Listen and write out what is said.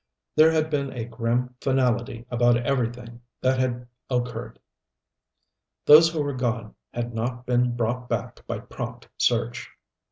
There had been a grim finality about everything that had occurred. Those who were gone had not been brought back by prompt search.